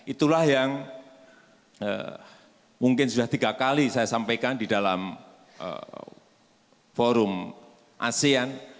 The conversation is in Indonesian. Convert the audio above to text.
itulah yang mungkin sudah tiga kali saya sampaikan di dalam forum asean